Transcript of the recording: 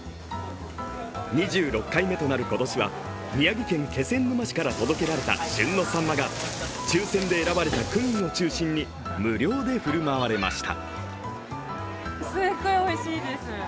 ２６回目となる今年は宮城県気仙沼市から届けられた旬のさんまが抽選で選ばれた区民を中心に、無料で振る舞われました。